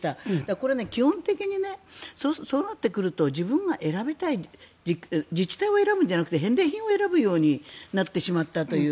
これ、基本的にそうなってくると自治体を選ぶんじゃなくて返礼品を選ぶようになってしまったという。